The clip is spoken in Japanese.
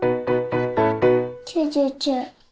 ９９。